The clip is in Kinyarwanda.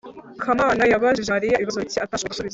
kamana yabajije mariya ibibazo bike atashoboye gusubiza